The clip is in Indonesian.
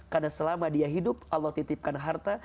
karena selama dia hidup allah titipkan harta